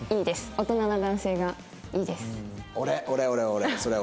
大人な男性がいいです。